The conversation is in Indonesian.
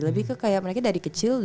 lebih ke kayak mereka dari kecil